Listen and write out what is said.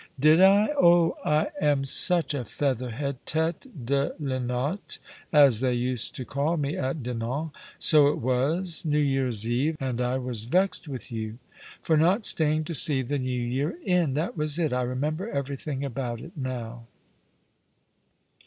"Did I ? Oh, I am such a feather head, ttte de linotte, as they used to call me at Dinan. So it was — New Tears Eve— and I was vexed with you for not staying to see the New Year in. That was it. I remember everything about it now."